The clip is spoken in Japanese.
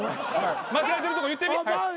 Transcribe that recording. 間違えてるとこ言ってみ。